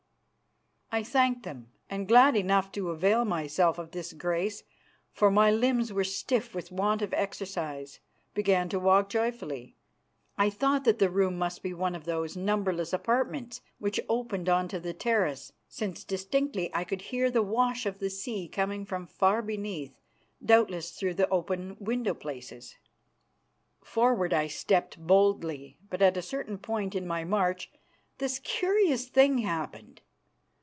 I thanked them and, glad enough to avail myself of this grace for my limbs were stiff with want of exercise, began to walk joyfully. I thought that the room must be one of those numberless apartments which opened on to the terrace, since distinctly I could hear the wash of the sea coming from far beneath, doubtless through the open window places. Forward I stepped boldly, but at a certain point in my march this curious thing happened.